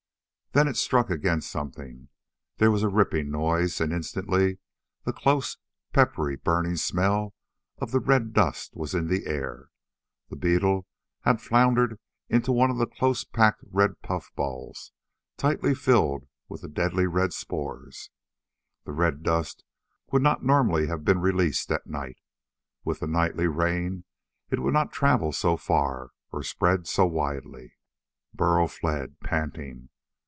Then it struck against something. There was a ripping noise and instantly the close, peppery, burning smell of the red dust was in the air. The beetle had floundered into one of the close packed red puffballs, tightly filled with the deadly red spores. The red dust would not normally have been released at night. With the nightly rain, it would not travel so far or spread so widely. Burl fled, panting.